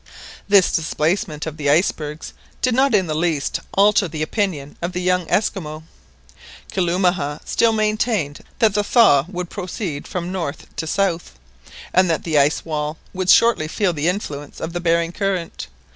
This displacement of the icebergs did not in the least alter the opinion of the young Esquimaux. Kalumah still maintained that the thaw would proceed from north to south, and that the ice wall would shortly feel the influence of the Behring Current.